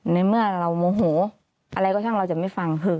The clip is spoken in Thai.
ในเมื่อเรามโมงโหแช่งที่อะไรเราจะไม่ฟัง